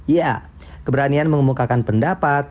ya keberanian mengumumkakan pendapat